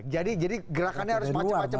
jadi gerakannya harus macam macam